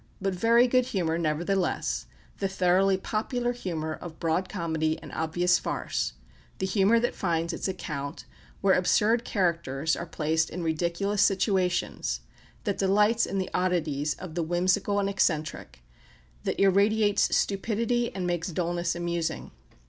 But very good humour nevertheless, the thoroughly popular humour of broad comedy and obvious farce the humour that finds its account where absurd characters are placed in ridiculous situations, that delights in the oddities of the whimsical and eccentric, that irradiates stupidity and makes dulness amusing.